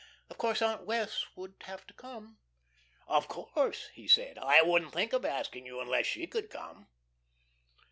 Of course Aunt Wess' would have to come." "Of course," he said. "I wouldn't think of asking you unless she could come."